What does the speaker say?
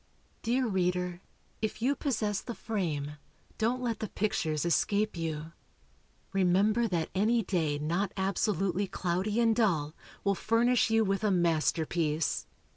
Dear reader, if you possess the frame, don't let the pictures escape you. Remember that any day not absolutely cloudy and dull, will furnish you with a masterpiece.